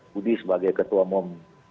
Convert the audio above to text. budi sebagai ketua mom